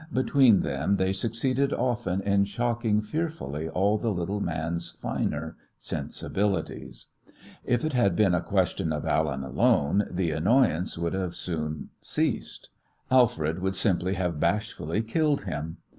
Between them they succeeded often in shocking fearfully all the little man's finer sensibilities. If it had been a question of Allen alone, the annoyance would soon have ceased. Alfred would simply have bashfully killed him.